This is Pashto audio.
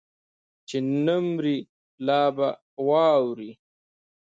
چې نه مرې لا به واورې